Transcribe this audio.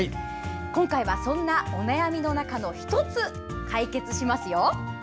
今回は、そんなお悩みの中の１つ、解決しますよ。